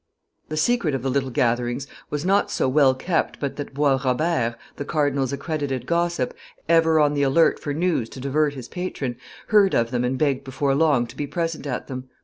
] The secret of the little gatherings was not so well kept but that Bois Robert, the cardinal's accredited gossip, ever on the alert for news to divert his patron, heard of them and begged before long to be present at them.